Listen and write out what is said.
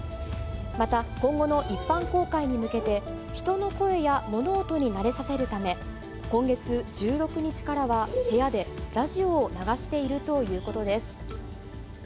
また、今後の一般公開に向けて、人の声や物音に慣れさせるため、今月１６日からは、部屋でラジオを流しているということです。